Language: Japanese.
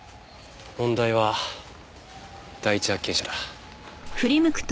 問題は第一発見者だ。